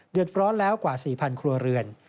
เดือดร้อนแล้วกว่า๔๐๐ครัวเรือน